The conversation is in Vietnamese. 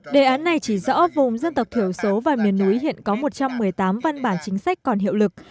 đề án này chỉ rõ vùng dân tộc thiểu số và miền núi hiện có một trăm một mươi tám văn bản chính sách còn hiệu lực